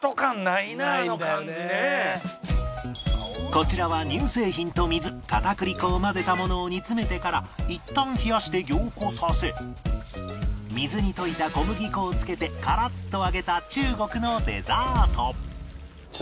こちらは乳製品と水片栗粉を混ぜたものを煮詰めてからいったん冷やして凝固させ水に溶いた小麦粉を付けてカラッと揚げた中国のデザート